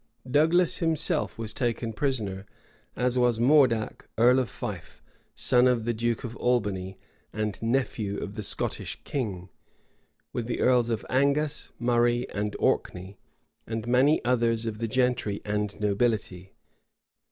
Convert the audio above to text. Douglas himself was taken prisoner; as was Mordác, earl of Fife, son of the duke of Albany, and nephew of the Scottish king, with the earls of Angus, Murray, and Orkney, and many others of the gentry and nobility.